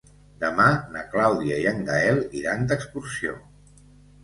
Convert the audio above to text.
Demà na Clàudia i en Gaël iran d'excursió.